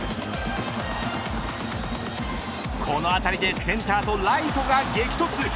この当たりでセンターとライトが激突。